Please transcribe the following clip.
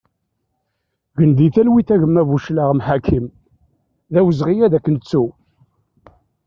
Gen di talwit a gma Buclaɣem Ḥakim, d awezɣi ad k-nettu!